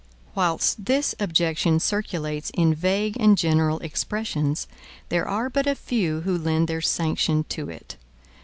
Whilst this objection circulates in vague and general expressions, there are but a few who lend their sanction to it.